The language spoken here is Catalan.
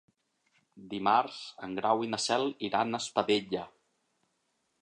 Dimarts en Grau i na Cel iran a Espadella.